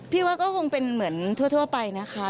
ว่าก็คงเป็นเหมือนทั่วไปนะคะ